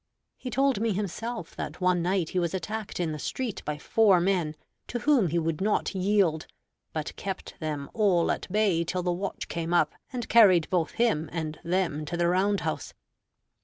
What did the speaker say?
He told me himself that one night he was attacked in the street by four men, to whom he would not yield, but kept them all at bay till the watch came up and carried both him and them to the round house.